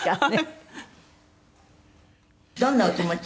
「どんなお気持ち？